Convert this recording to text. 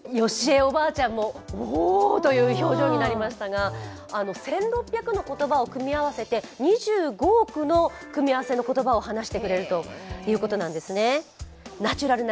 おばあちゃんも、おおという表情になりましたが、１６００の言葉を組み合わせて２５億の組み合わせの言葉を話してくれるということなんですね。